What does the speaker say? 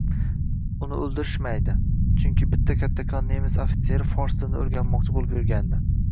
Uni oʻldirishmaydi, chunki bitta kattakon nemis ofitseri fors tilini oʻrganmoqchi boʻlib yurgandi.